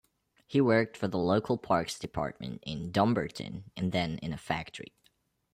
He worked for the local Parks Department in Dumbarton and then in a factory.